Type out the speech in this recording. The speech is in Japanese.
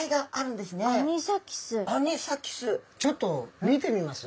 ちょっと見てみます？